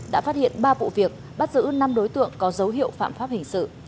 đã phát hiện ba vụ việc bắt giữ năm đối tượng có dấu hiệu phạm pháp hình sự